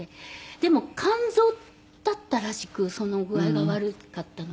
でも肝臓だったらしくその具合が悪かったのは。